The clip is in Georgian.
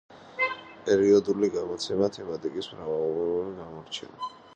პერიოდული გამოცემა თემატიკის მრავალგვარობით გამოირჩევა.